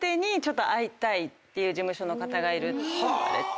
ていう事務所の方がいるって言われて。